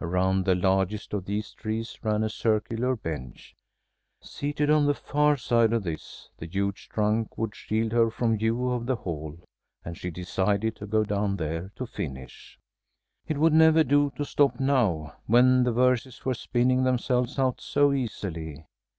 Around the largest of these trees ran a circular bench. Seated on the far side of this, the huge trunk would shield her from view of the Hall, and she decided to go down there to finish. It would never do to stop now, when the verses were spinning themselves out so easily.